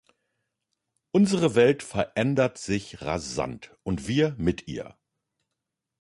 Unsere Welt verändert sich rasant und wir mit ihr.